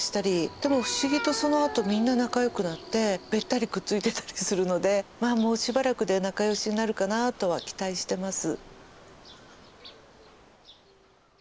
でも不思議とそのあとみんな仲よくなってべったりくっついてたりするのでまあもうしばらくで仲よしになるかなとは期待してます。